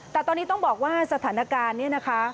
แต่ตอนนี้ต้องบอกว่าสถานการณ์เนี่ยนะคะ